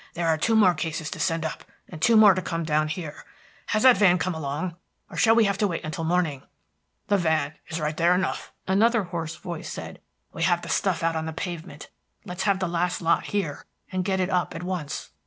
"There are two more cases to send up, and two more to come down here. Has that van come along, or shall we have to wait until morning?" "The van is there right enough," another hoarse voice said. "We have the stuff out on the pavement. Let's have the last lot here, and get it up at once."